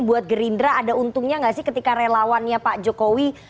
buat gerindra ada untungnya nggak sih ketika relawannya pak jokowi